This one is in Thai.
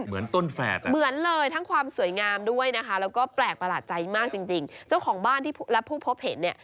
เหมือนต้นแฝดเหมือนเลยทั้งความสวยงามด้วยนะคะแล้วก็แปลกประหลาดใจมากจริงจริงเจ้าของบ้านที่และผู้พบเห็นเนี่ย